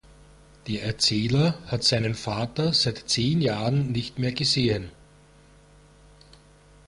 Der Erzähler hat seinen Vater seit zehn Jahren nicht mehr gesehen.